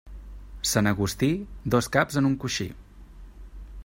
Sant Agustí, dos caps en un coixí.